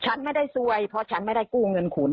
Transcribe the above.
ฉันไม่ได้ซวยเพราะฉันไม่ได้กู้เงินคุณ